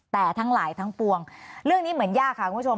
แต่ทั้งหลายทั้งปวงเรื่องนี้เหมือนยากค่ะคุณผู้ชม